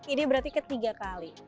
ini berarti ketiga kali